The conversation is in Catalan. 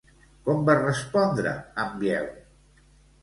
Com va respondre en Biel?